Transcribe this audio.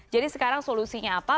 jadi sekarang solusinya apa